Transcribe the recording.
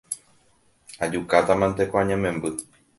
Ajukátamante ko añamemby